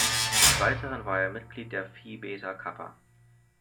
Des Weiteren war er Mitglied der Phi Beta Kappa.